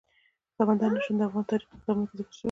سمندر نه شتون د افغان تاریخ په کتابونو کې ذکر شوی دي.